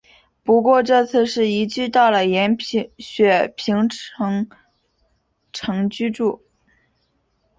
不过这次是移居到了延雪平城城居住。